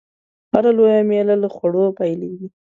هره لويه میله له خوړو پیلېږي.